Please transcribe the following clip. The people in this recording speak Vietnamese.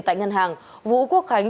tại ngân hàng vũ quốc khánh